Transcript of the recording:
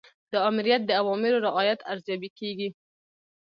د آمریت د اوامرو رعایت ارزیابي کیږي.